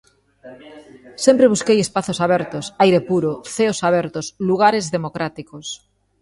Sempre busquei espazos abertos, aire puro, ceos abertos, lugares democráticos.